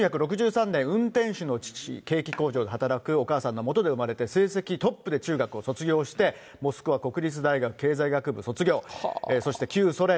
１９６３年、運転手の父、ケーキ工場で働くお母さんの下で生まれて、成績トップで中学を卒業して、モスクワ国立大学経済学部卒業。